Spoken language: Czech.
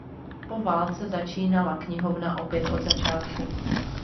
Po válce začínala knihovna opět od začátku.